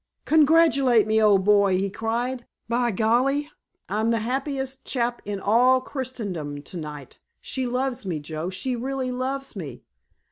"Congratulate me, old boy," he cried; "by golly, I'm the happiest chap in all Christendom to night. She loves me, Joe, she really loves me.